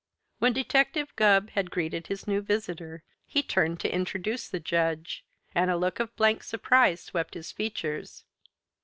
When Detective Gubb had greeted his new visitor he turned to introduce the Judge and a look of blank surprise swept his features.